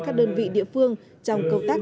các đơn vị địa phương trong công tác